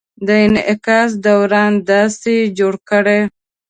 د انعکاس دوران داسې جوړ کړئ: